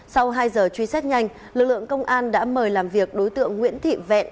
sau hai giờ truy xét nhanh lực lượng công an đã mời làm việc đối tượng nguyễn thị vẹn